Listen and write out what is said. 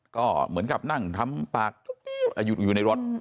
ก็เหมือนกับนั่งทำปากอยู่ในรถ